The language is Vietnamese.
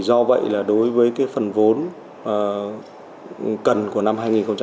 do vậy đối với phần vốn cần của năm hai nghìn một mươi bảy